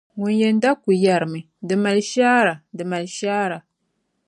Ŋun yɛn da kul yɛrimi, “Di mali shaara, di mali shaara.”